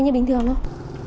như bình thường thôi